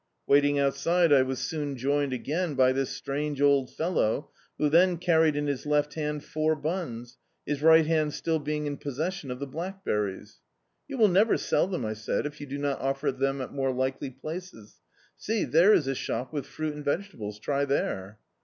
Waiting outside I was soon joined again by this strange old fellow who then carried in his left hand four buns, his rig^t hand still being in possession of the blackberries. "You will never sell them," I said, "if you do not offer them at more likely places. See, there is a shop with fruit and vegetables: try there."